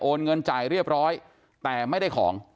เงินจ่ายเรียบร้อยแต่ไม่ได้ของ